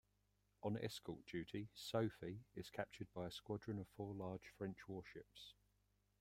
On escort duty, "Sophie" is captured by a squadron of four large French warships.